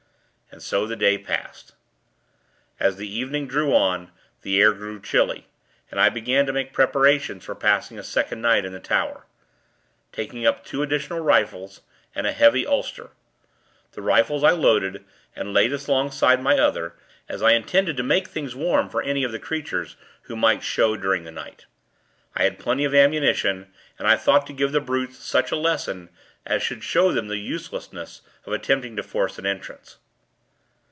And so the day passed. As the evening drew on, the air grew chilly, and I began to make preparations for passing a second night in the tower taking up two additional rifles, and a heavy ulster. The rifles I loaded, and laid alongside my other; as I intended to make things warm for any of the creatures who might show, during the night. I had plenty of ammunition, and I thought to give the brutes such a lesson, as should show them the uselessness of attempting to force an entrance.